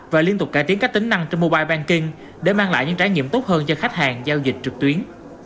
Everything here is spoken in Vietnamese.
và liên tục cải tiến các tính năng trên mobile banking để mang lại những trải nghiệm tốt hơn cho khách hàng giao dịch trực tuyến